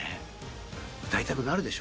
歌いたくなるでしょ。